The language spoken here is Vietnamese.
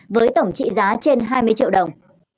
với tổng trị giá trên hai mươi triệu đồng